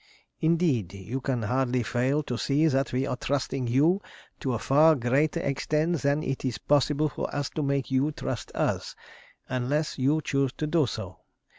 Indeed, you can hardly fail to see that we are trusting you to a far greater extent than it is possible for us to make you trust us, unless you choose to do so.